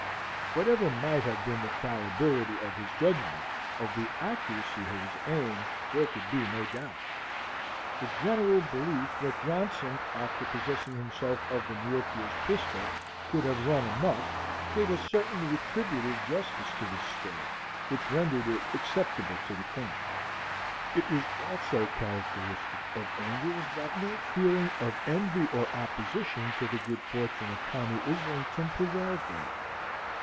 Whatever might have been the fallibility of his judgment, of the accuracy of his aim there could be no doubt. The general belief that Johnson, after possessing himself of the muleteer's pistol, could have run amuck, gave a certain retributive justice to this story, which rendered it acceptable to the camp. It was also characteristic of Angel's that no feeling of envy or opposition to the good fortune of Tommy Islington prevailed there.